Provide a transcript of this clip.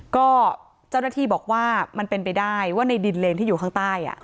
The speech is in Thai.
ก็เจ้าหน้าที่บอกว่ามันเป็นไปได้ว่าในดินเลนที่อยู่ข้างใต้